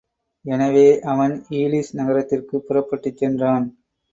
எனவே, அவன் ஈலிஸ் நகரத்திற்குப் புறப்பட்டுச் சென்றான்.